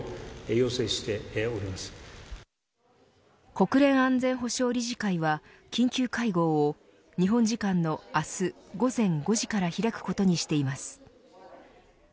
国連安全保障理事会は緊急会合を日本時間の明日午前５時から開くことにしています。